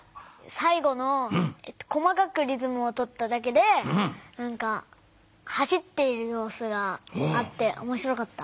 さいごの細かくリズムをとっただけで走っているようすがあっておもしろかった。